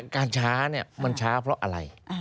การช้ามันช้าเพราะอะไร